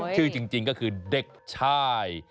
ชื่อจริงก็คือเด็กชาย